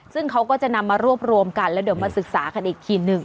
ซึ่งเขาก็จะนำมารวบรวมกันแล้วเดี๋ยวมาศึกษากันอีกทีหนึ่ง